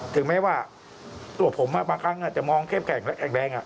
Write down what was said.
ถึงแม้ว่าตัวผมบางครั้งจะมองแข็งแรง